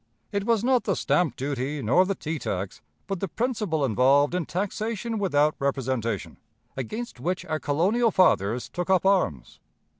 It was not the stamp duty nor the tea tax, but the principle involved in taxation without representation, against which our colonial fathers took up arms.